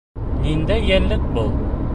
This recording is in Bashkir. Ниндәй йәнлек был?